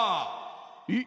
えっ？